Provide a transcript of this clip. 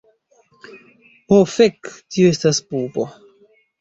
Ho fek, tio estas pupo.